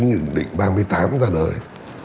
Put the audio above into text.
nghị định ba mươi tám ra đời